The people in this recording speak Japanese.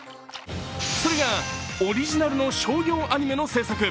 それがオリジナルの商業アニメの制作。